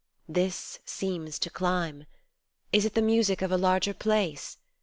This seems to climb : Is it the music of a larger place